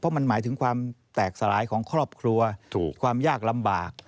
มันหมายถึงความแตกสลายของครอบครัวความยากลำบาก